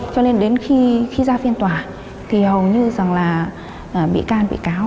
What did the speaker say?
cho nên đến khi ra phiên tòa thì hầu như rằng là bị can bị cáo